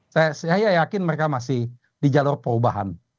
saya yakin mereka masih di jalur perubahan